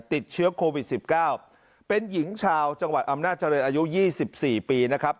ติดเชื้อโควิดสิบเก้าเป็นหญิงชาวจังหวัดอำนาจรัยอายุยี่สิบสี่ปีนะครับ